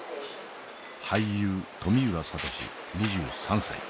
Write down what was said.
俳優冨浦智嗣２３歳。